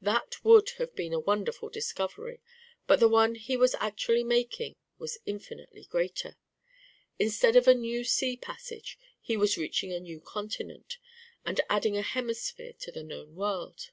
That would have been a wonderful discovery, but the one he was actually making was infinitely greater. Instead of a new sea passage he was reaching a new continent, and adding a hemisphere to the known world.